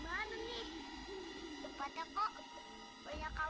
aku tidak baik